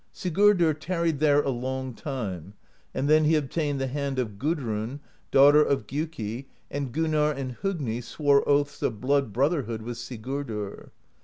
Sigurdr tarried there a long time, and then he obtained the hand of Gudrun, daughter of Gjiiki, and Gunnarr and Hogni swore oaths of blood brotherhood with Sigurdr.